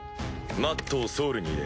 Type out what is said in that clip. マットをソウルに入れ